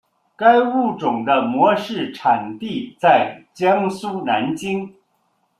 该物种的模式产地在江苏南京。